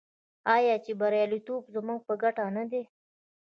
آیا چې بریالیتوب یې زموږ په ګټه نه دی؟